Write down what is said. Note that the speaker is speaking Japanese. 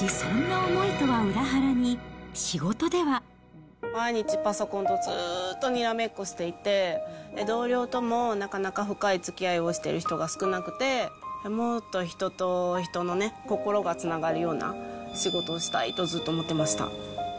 しかし、毎日、パソコンとずっとにらめっこしていて、同僚ともなかなか深いつきあいをしてる人が少なくて、もっと人と人のね、心がつながるような仕事をしたいと、ずっと思ってました。